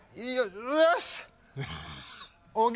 よし！